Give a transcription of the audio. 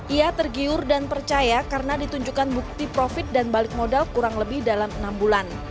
ia tergiur dan percaya karena ditunjukkan bukti profit dan balik modal kurang lebih dalam enam bulan